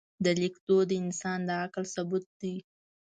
د لیک دود د انسان د عقل ثبوت دی.